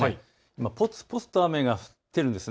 今、ぽつぽつと雨が降っているんです。